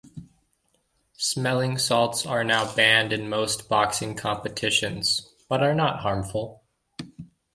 Smelling salts are now banned in most boxing competitions, but are not harmful.